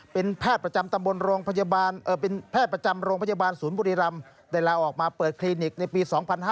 เป็นแพทย์ประจำโรงพยาบาลศูนย์บุรีรรมได้ลาออกมาเปิดคลินิกในปี๒๕๓๙